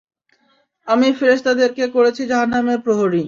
আমি ফেরেশতাদেরকে করেছি জাহান্নামের প্রহরী।